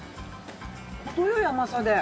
程よい甘さで。